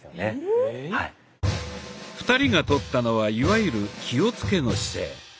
２人がとったのはいわゆる「気をつけ」の姿勢。